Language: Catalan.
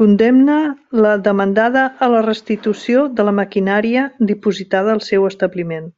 Condemne la demandada a la restitució de la maquinària dipositada al seu establiment.